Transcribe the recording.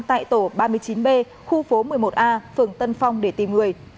tại tổ ba mươi chín b khu phố một mươi một a phường tân phong để tìm người